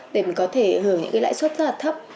để mình có thể hưởng những cái lãi suất rất là thấp